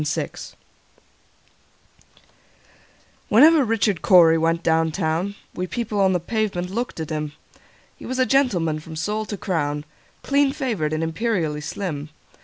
Richard Corey WHENEVER Richard Cory went down town, We people on the pavement looked at him:He was a gentleman from sole to crown, Clean favored, and imperially slim.